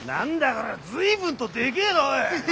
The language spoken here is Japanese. こりゃ随分とでけえなおい！